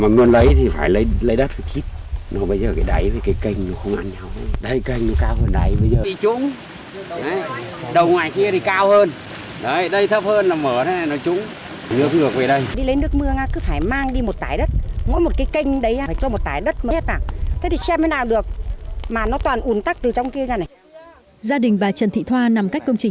gia đình bà trần thị thoa nằm cách công trình thủy sản